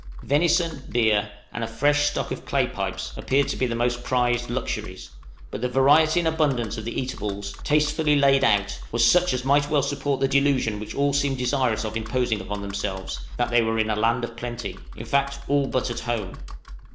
Venison, beer, and a fresh stock of clay pipes, appeared to be the most prized luxuries; but the variety and abundance of the eatables, tastefully laid out, was such as might well support the delusion which all seemed desirous of imposing upon themselves that they were in a land of plenty in fact, all but at home!